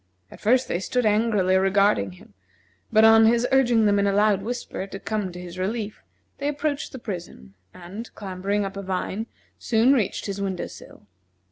At first they stood angrily regarding him; but on his urging them in a loud whisper to come to his relief, they approached the prison and, clambering up a vine, soon reached his window sill.